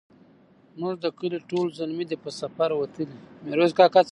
زموږ د کلې ټول زلمي دی په سفر وتلي